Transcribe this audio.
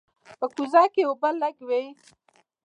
په کوزه کې اوبه لږې وې.